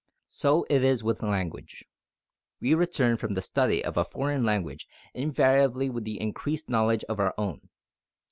So it is with language. We return from the study of a foreign language invariably with an increased knowledge of our own.